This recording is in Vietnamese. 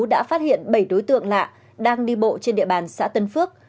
đã phát hiện bảy đối tượng lạ đang đi bộ trên địa bàn xã tân phước